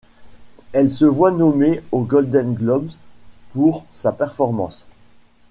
Elle se voit nommée aux Golden Globes pour sa performance.